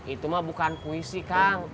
itu mah bukan puisi kang